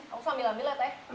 aku bisa ambil ambil ya teteh